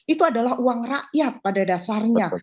itu adalah uang rakyat pada dasarnya